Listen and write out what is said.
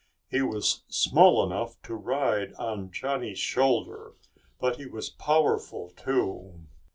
He was small enough to ride on Johnny's shoulder, but he was powerful too.